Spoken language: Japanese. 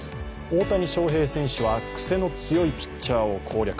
大谷翔平選手はくせの強いピッチャーを攻略。